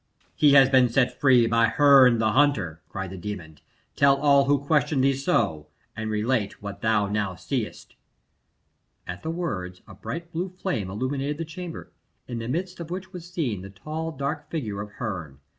"He has been set free by Herne the Hunter!" cried the demon. "Tell all who question thee so, and relate what thou now seest." At the words a bright blue flame illumined the chamber, in the midst of which was seen the tall dark figure of Herne.